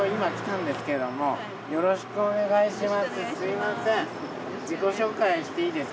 よろしくお願いします。